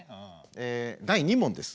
え第２問です。